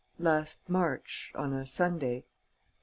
"Last March, on a Sunday."